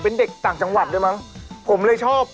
เป็นอย่างไรวันนี้มารถหมาสนุก